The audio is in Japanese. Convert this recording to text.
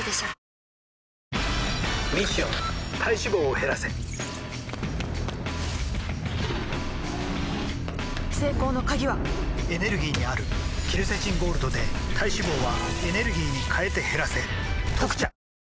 ミッション体脂肪を減らせ成功の鍵はエネルギーにあるケルセチンゴールドで体脂肪はエネルギーに変えて減らせ「特茶」